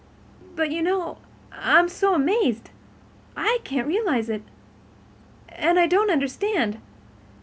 "But you know—I'm so amazed—I can't realize it—and I don't understand.